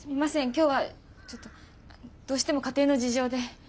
今日はちょっとどうしても家庭の事情で。